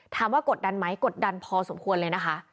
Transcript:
กดดันไหมกดดันพอสมควรเลยนะคะ